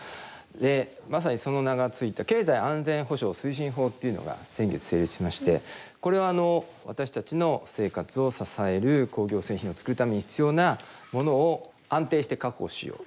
でまさにその名が付いた経済安全保障推進法っていうのが先月成立しましてこれは私たちの生活を支える工業製品を作るために必要なものを安定して確保しよう。